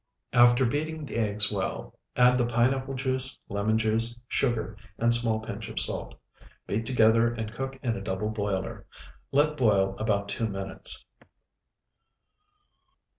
After beating the eggs well, add the pineapple juice, lemon juice, sugar, and small pinch of salt. Beat together and cook in double boiler. Let boil about two minutes.